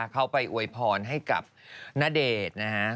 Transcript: เข้าไปอวยพรให้กับณเดชน์นะฮะ